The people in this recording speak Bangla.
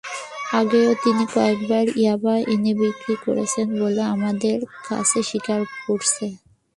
আগেও তিনি কয়েকবার ইয়াবা এনে বিক্রি করেছে বলে আমাদের কাছে স্বীকার করেছে।